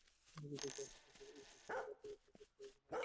আমি দ্রুত চৌকি থেকে উঠে তার দিকে পিঠ করে জানালার কাছে গিয়ে দাঁড়ালুম।